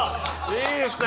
いいですね。